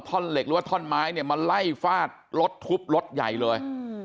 เหล็กหรือว่าท่อนไม้เนี่ยมาไล่ฟาดรถทุบรถใหญ่เลย